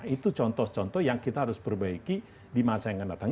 itu contoh contoh yang kita harus perbaiki di masa yang akan datang